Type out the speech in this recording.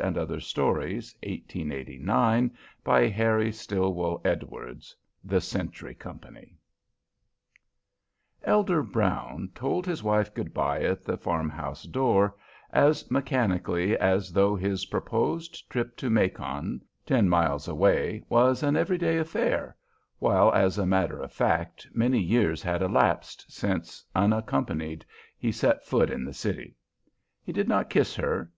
ELDER BROWN'S BACKSLIDE By Harry Stillwell Edwards (1855 ) I Elder Brown told his wife good by at the farmhouse door as mechanically as though his proposed trip to Macon, ten miles away, was an everyday affair, while, as a matter of fact, many years had elapsed since unaccompanied he set foot in the city. He did not kiss her.